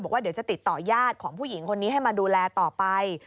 บอกว่าเดี๋ยวจะติดต่อยาดของผู้หญิงคนนี้ให้มาดูแลต่อไป